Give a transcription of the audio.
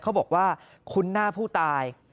เขาบอกว่าคุ้นหน้าผู้ตาย